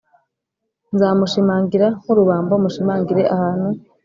Nzamushimangira nk urubambo mushimangire ahantu